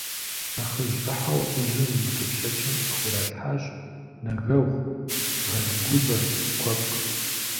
Нэхъыжь ӏыхьэу лӏыжьым и тепщэчым къыхуралъхьащ нэгэгъу, бгъэлыгубэ, куэпкъ.